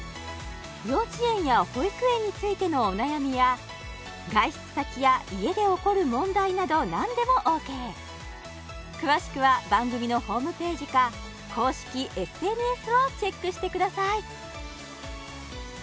幼稚園や保育園についてのお悩みや外出先や家で起こる問題など何でもＯＫ詳しくは番組のホームページか公式ＳＮＳをチェックしてください